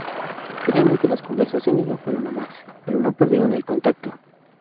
Finalmente las conversaciones no fueron a más, pero no perdieron el contacto.